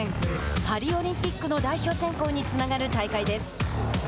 パリオリンピックの代表選考につながる大会です。